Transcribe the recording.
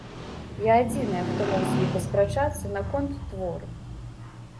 Я адзіная, хто мог з ёй паспрачацца наконт твору.